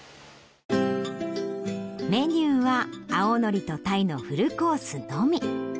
メニューは青のりとタイのフルコースのみ。